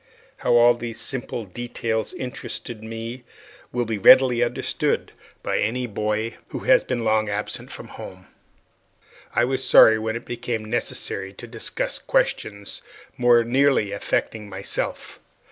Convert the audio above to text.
How all these simple details interested me will be readily understood by any boy who has been long absent from home. I was sorry when it became necessary to discuss questions more nearly affecting myself.